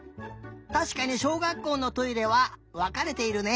たしかにしょうがっこうのトイレはわかれているね。